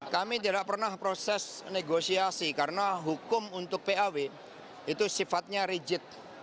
kami tidak pernah proses negosiasi karena hukum untuk paw itu sifatnya rigid